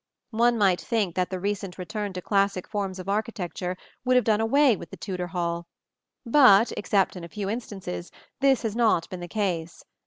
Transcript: One might think that the recent return to classic forms of architecture would have done away with the Tudor hall; but, except in a few instances, this has not been the case.